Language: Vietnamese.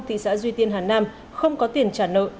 thị xã duy tiên hà nam không có tiền trả nợ